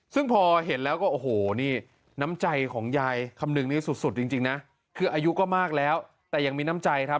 ซึ่งพอเห็นแล้วก็โอ้โหนี่น้ำใจของยายคำนึงนี่สุดจริงนะคืออายุก็มากแล้วแต่ยังมีน้ำใจครับ